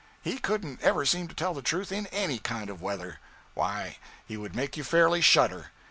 He couldn't ever seem to tell the truth, in any kind of weather. Why, he would make you fairly shudder.